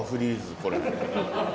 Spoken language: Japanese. これ。